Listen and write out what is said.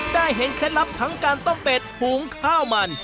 ได้เห็นเคล็ดลับทั้งการต้มเป็ดหุงข้าวมัน